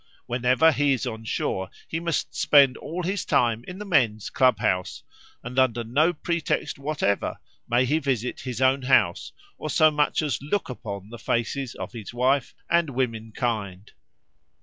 Whenever he is on shore he must spend all his time in the men's clubhouse, and under no pretext whatever may he visit his own house or so much as look upon the faces of his wife and womenkind.